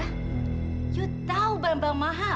kamu tahu barang barang mahal